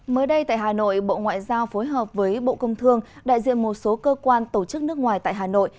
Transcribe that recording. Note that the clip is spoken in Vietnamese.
mới đây tại hà nội bộ ngoại giao phối hợp với bộ công thương đại diện một số cơ quan tổ chức nước ngoài tại hà nội